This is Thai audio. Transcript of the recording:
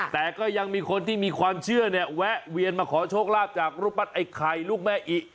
แต่ก็ยังมีคนที่มีความเชื่อเนี่ยแวะเวียนมาขอโชคลาภจากรูปปั้นไอ้ไข่ลูกแม่อิ